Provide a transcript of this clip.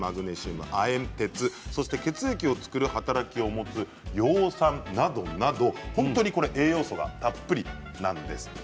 亜鉛、鉄、血液を作る働きを持つ葉酸などなど本当に栄養素がたっぷりなんです。